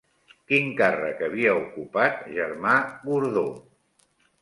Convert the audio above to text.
Quin càrrec havia ocupat Germà Gordó?